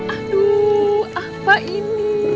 aduh apa ini